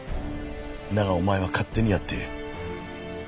だがお前は勝手にやっている。